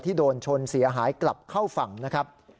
โดนชนเสียหายกลับเข้าฝั่งนะครับ